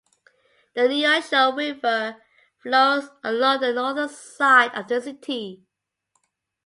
The Neosho River flows along the northern side of the city.